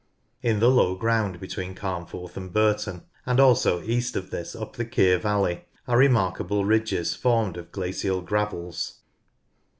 In the low ground between Carnforth and Burton and also east of this up the FCeer valley are re markable ridges formed of glacial gravels.